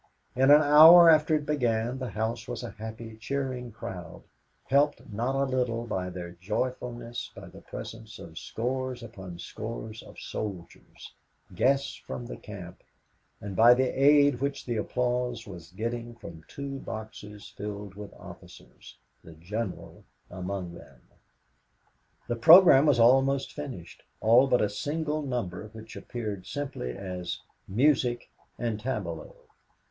In an hour after it began the house was a happy, cheering crowd, helped not a little in their joyfulness by the presence of scores upon scores of soldiers, guests from the camp, and by the aid which the applause was getting from two boxes filled with officers, the General among them. The program was almost finished all but a single number which appeared simply as Music and Tableaux.